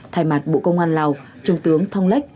thay mặt bộ công an lào trung tướng thong lech